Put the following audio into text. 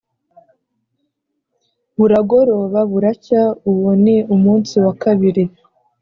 Buragoroba buracya, uwo ni umunsi wa kabiri.